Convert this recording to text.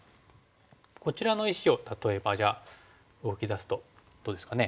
こちらの石を例えばじゃあ動き出すとどうですかね？